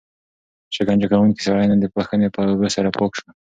شکنجه کوونکی سړی نن د بښنې په اوبو سره پاک شو.